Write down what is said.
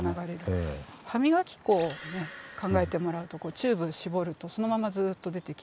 歯磨き粉を考えてもらうとチューブ絞るとそのままずっと出てきますよね